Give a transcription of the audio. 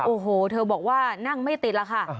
โอ้โหเธอบอกว่านั่งไม่ติดแล้วค่ะ